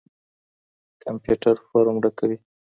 کمپيوټر فورم ډکوي.